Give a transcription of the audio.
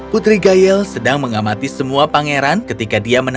putri gayel sedang mengamati semua pangeran ketika dia menanam